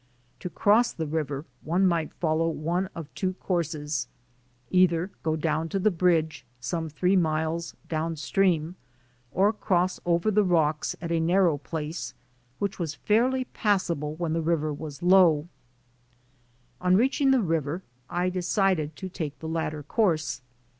To cross the river one might follow one of two IN THE AMERICAN STORM 95 courses, either go down to the bridge, some three miles down stream, or cross over the rocks at a narrow place, which was fairly passable when the river was low. On reaching the river I decided tc take the latter course.